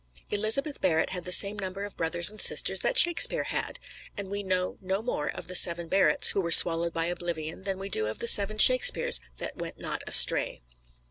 Elizabeth Barrett had the same number of brothers and sisters that Shakespeare had; and we know no more of the seven Barretts who were swallowed by oblivion than we do of the seven Shakespeares that went not astray.